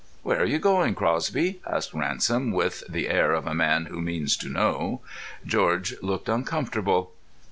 "Where are you going, Crosby?" asked Ransom, with the air of a man who means to know. George looked uncomfortable.